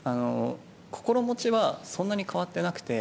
心持ちはそんなに変わってなくて。